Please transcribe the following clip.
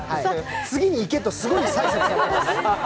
次に行けとすごい催促されています。